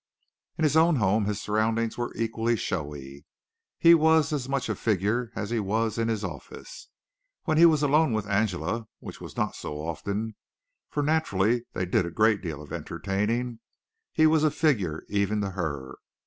In his own home his surroundings were equally showy; he was as much a figure as he was in his office. When he was alone with Angela, which was not so often, for naturally they did a great deal of entertaining, he was a figure even to her.